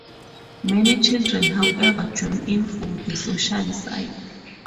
Many children however join in for the social side.